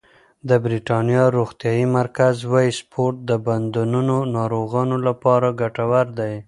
د بریتانیا روغتیايي مرکز وايي سپورت د بندونو ناروغانو لپاره ګټور دی.